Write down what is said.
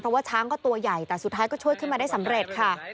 เพราะว่าช้างก็ตัวใหญ่แต่สุดท้ายก็ช่วยขึ้นมาได้สำเร็จค่ะ